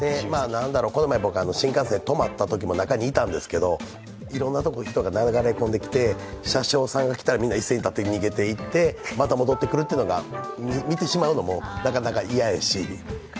これまでも新幹線が止まったときにあったんですけどいろんなところに人が流れ込んできて、車掌さんが来たら逃げていってまた戻ってくるというのが、見てしまうのもなかなか嫌やし。